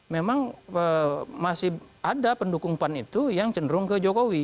memang masih ada pendukung pan itu yang cenderung ke jokowi